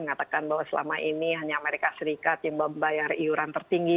mengatakan bahwa selama ini hanya amerika serikat yang membayar iuran tertinggi